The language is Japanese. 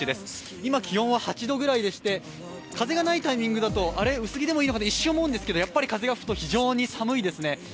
今、気温は８度くらいでして、風がないタイミングだとあれ、薄着でもいいのかなって一瞬思うんですが、やっぱり風が吹くと非常に寒いですね。